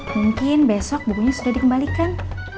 mungkin besok bukunya sudah dikembalikan